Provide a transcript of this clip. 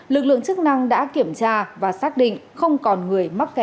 lực lượng chức năng đã kiểm tra và xác định không còn người mắc kẹt bên trong